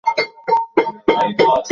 না, আমি গুলি করিনি!